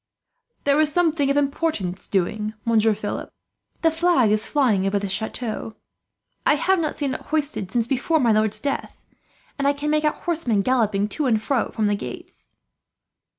"There is something of importance doing, Monsieur Philip. The flag is flying over the chateau. I have not seen it hoisted before since my lord's death, and I can make out horsemen galloping to and from the gates."